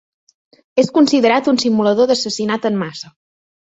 És considerat un simulador d'assassinat en massa.